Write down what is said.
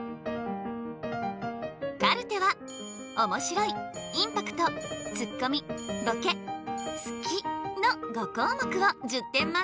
カルテはおもしろいインパクトツッコミボケ好きの５項目を１０点満点で評価。